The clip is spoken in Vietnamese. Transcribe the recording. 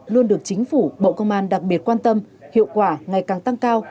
luôn được chính phủ bộ công an đặc biệt quan tâm hiệu quả ngày càng tăng cao